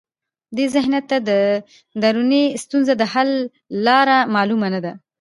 دې ذهنیت ته د دروني ستونزو د حل لاره معلومه نه ده.